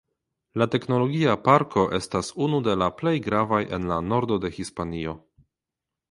La Teknologia Parko estas unu de la plej gravaj en la nordo de Hispanio.